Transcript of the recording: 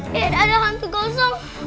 nen ada hantu gosong